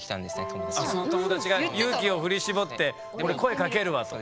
その友達が勇気を振り絞って「俺声かけるわ」と。